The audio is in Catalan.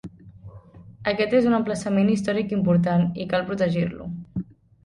Aquest és un emplaçament històric important, i cal protegir-lo.